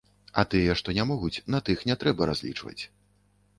А тыя, што не могуць, на тых не трэба разлічваць.